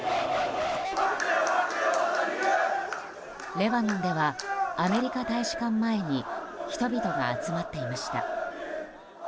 レバノンではアメリカ大使館前に人々が集まっていました。